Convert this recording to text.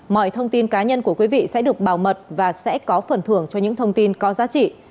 mọi thông tin cá nhân của quý vị sẽ được bảo mật và sẽ có phần thưởng cho những thông tin có giá trị